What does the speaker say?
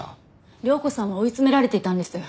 涼子さんは追い詰められていたんです